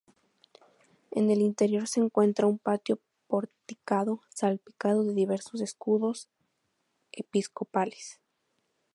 En el interior se encuentra un patio porticado salpicado de diversos escudos episcopales.